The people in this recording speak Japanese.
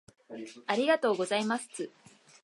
ありがとうございますつ